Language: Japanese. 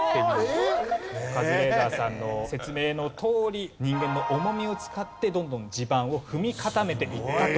カズレーザーさんの説明のとおり人間の重みを使ってどんどん地盤を踏み固めていったと。